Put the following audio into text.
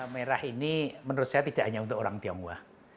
merah ini menurut saya tidak hanya untuk orang tionghoa